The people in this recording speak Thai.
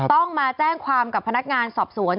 ต้องมาแจ้งความกับพนักงานสอบสวน